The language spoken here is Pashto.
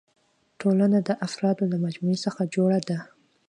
ټولنه د افرادو له مجموعي څخه جوړه ده.